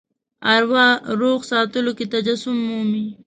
اروا روغ ساتلو کې تجسم مومي.